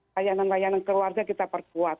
layanan layanan keluarga kita perkuat